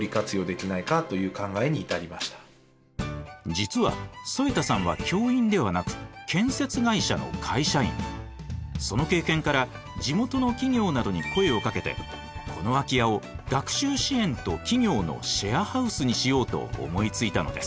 実は添田さんはその経験から地元の企業などに声をかけてこの空き家を学習支援と企業のシェアハウスにしようと思いついたのです。